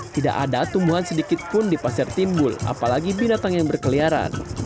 tidak ada tumbuhan sedikit pun di pasir timbul apalagi binatang yang berkeliaran